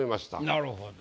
なるほど。